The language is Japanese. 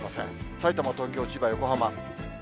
さいたま、東京、千葉、横浜。